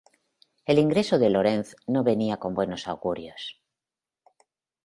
El ingreso de Laurenz no venía con buenos augurios.